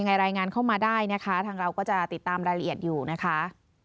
รายงานเข้ามาได้นะคะทางเราก็จะติดตามรายละเอียดอยู่นะคะ